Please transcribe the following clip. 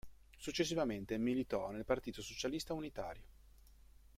Successivamente militò nel Partito Socialista Unitario.